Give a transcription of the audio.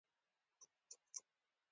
موږ خپلو پیرودونکو ته تر دې ډیر پور وړ یو